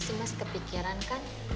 mas itu mas kepikiran kan